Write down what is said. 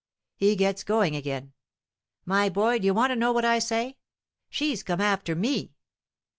He gets going again. "My boy, d'you want to know what I say? She's come after me."